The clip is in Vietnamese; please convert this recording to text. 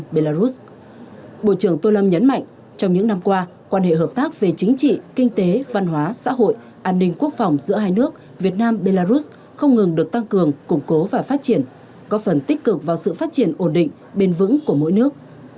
belarus bộ trưởng tô lâm nhấn mạnh trong những năm qua quan hệ hợp tác về chính trị kinh tế văn hóa xã hội an ninh quốc phòng giữa hai nước việt nam belarus không ngừng được tăng cường củng cố và phát triển có phần tích cực vào sự phát triển ổn định bền vững của mỗi nước